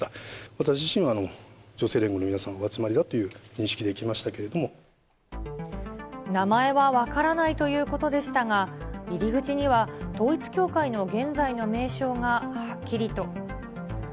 私自身は女性連合の皆さんのお集まりだという認識で行きましたけ名前は分からないということでしたが、入り口には統一教会の現在の名称がはっきりと。